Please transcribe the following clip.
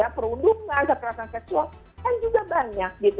perundungan kekerasan seksual kan juga banyak gitu